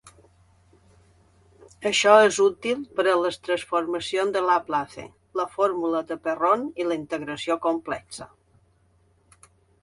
Això és útil per a les transformacions de Laplace, la fórmula de Perron i la integració complexa.